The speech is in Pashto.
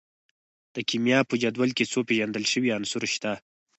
د کیمیا په جدول کې څو پیژندل شوي عناصر شته.